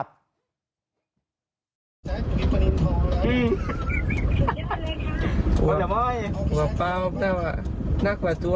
สารปรับปรับบินตั้งสิบพัน